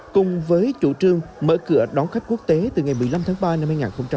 cùng với chủ trương mở cửa đón khách quốc tế từ ngày một mươi năm tháng ba năm hai nghìn hai mươi